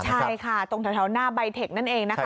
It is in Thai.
ใช่ค่ะตรงแถวหน้าใบเทคนั่นเองนะคะ